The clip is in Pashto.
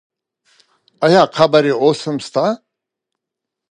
آیا قبر یې اوس هم شته؟